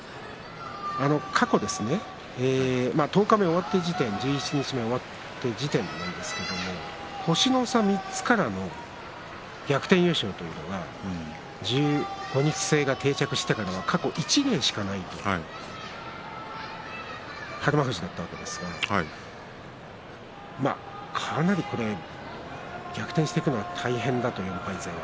過去、十日目終わった時点十一日目終わった時点なんですけれど星の差３つからの逆転優勝というのが１５日制が定着してからは過去１例しかない日馬富士だったわけですがかなり逆転していくのは大変だというのは。